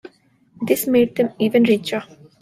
This made them even richer.